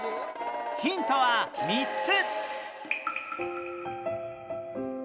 ヒントは３つ！